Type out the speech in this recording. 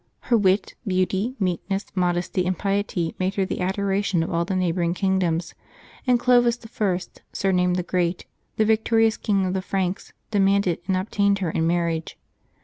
Her wit, beauty, meekness, modesty, and piety made her the adoration oi all the neighboring kingdoms, and Clovis L, surnamed the Great, the victorious king of the Franks, demanded and obtained her in marriage.